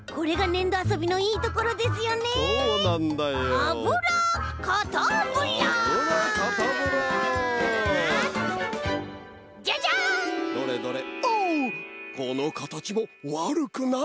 このかたちもわるくない。